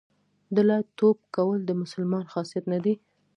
دله توب کول د مسلمان خاصیت نه دی.